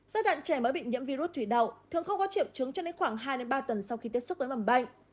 giai đoạn trẻ mới bị nhiễm virus thủy đậu thường không có triệu chứng cho đến khoảng hai ba tuần sau khi tiếp xúc với mầm bệnh